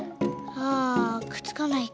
あくっつかないか。